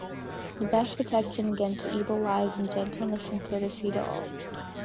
The best protection against evil lies in gentleness and courtesy to all.